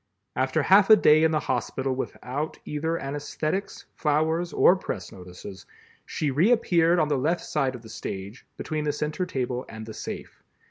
After half a day in the hospital without either anesthetics, flowers or press notices, she reappeared on the left side of the stage, between the center table and the safe.